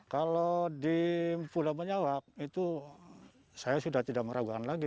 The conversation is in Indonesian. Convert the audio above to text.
kalau di pulau menyawak itu saya sudah tidak meragukan lagi